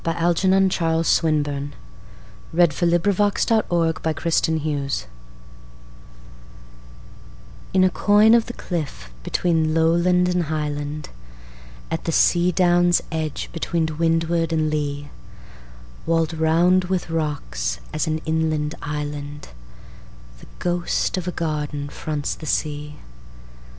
Algernon Charles Swinburne 1837–1909 A Forsaken Garden Swinburn IN a coign of the cliff between lowland and highland, At the sea down's edge between wind ward and lee, Wall'd round with rocks as an inland island, The ghost of a garden fronts the sea.